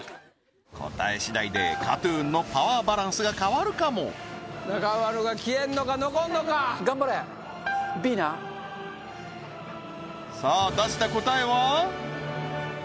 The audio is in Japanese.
答えしだいでＫＡＴ−ＴＵＮのパワーバランスが変わるかも中丸が消えんのか残んのか頑張れＢなさあ出した答えは？